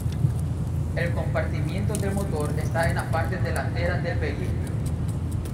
El compartimiento del motor está en la parte delantera del vehículo.